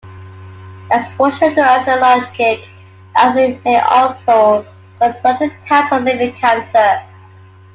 Exposure to aristolochic acid may also cause certain types of liver cancer.